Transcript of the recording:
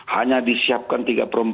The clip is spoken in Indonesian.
hanya disiapkan tiga per empat